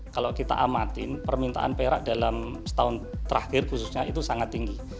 kalau kita amatin permintaan perak dalam setahun terakhir khususnya itu sangat tinggi